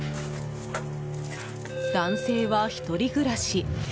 男性は１人暮らし。